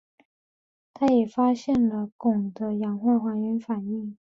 他发现了汞的氧化还原反应。